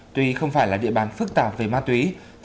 tuy không phải là địa bàn phức tạp về ma túy